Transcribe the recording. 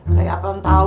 kayak apa yang tau